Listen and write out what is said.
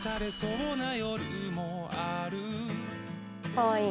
かわいい。